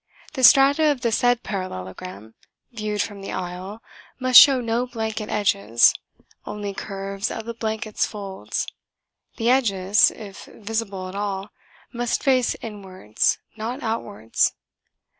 The strata of the said parallelogram, viewed from the aisle, must show no blanket edges, only curves of the blankets' folds: the edges (if visible at all) must face inwards, not outwards.